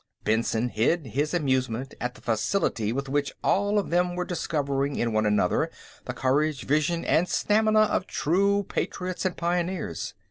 Benson hid his amusement at the facility with which all of them were discovering in one another the courage, vision and stamina of true patriots and pioneers.